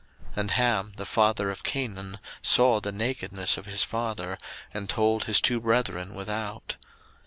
01:009:022 And Ham, the father of Canaan, saw the nakedness of his father, and told his two brethren without.